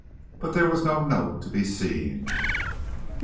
But there was no note to be seen.